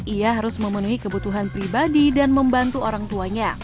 ia harus memenuhi kebutuhan pribadi dan membantu orang tuanya